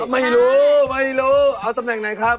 ไม่รู้เอาตำแหน่งไหนครับ